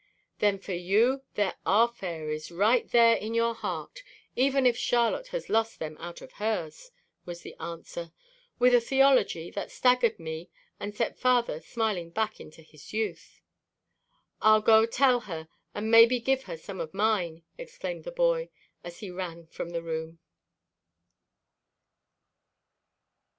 "Then for you there are fairies, right there in your heart, even if Charlotte has lost them out of hers," was the answer, with a theology that staggered me and set father smiling back into his youth. "I'll go tell her and maybe give her some of mine," exclaimed the boy as he ran from the room.